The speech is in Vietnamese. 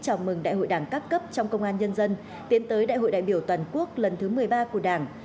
chào mừng đại hội đảng các cấp trong công an nhân dân tiến tới đại hội đại biểu toàn quốc lần thứ một mươi ba của đảng